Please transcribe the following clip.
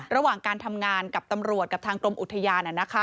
ระหว่างการทำงานกับตำรวจกับทางกรมอุทยาน